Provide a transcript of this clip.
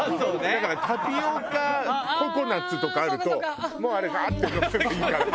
だからタピオカココナツとかあるともうあれガーッて飲めばいいから。